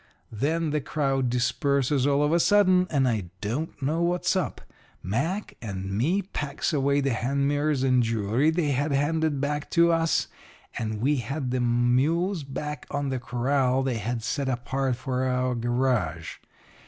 "Then the crowd disperses all of a sudden, and I don't know what's up. Mac and me packs away the hand mirrors and jewelry they had handed back to us, and we had the mules back to the corral they had set apart for our garage.